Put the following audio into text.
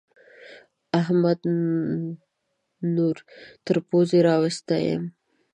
احمد نور تر پوزې راوستی يم.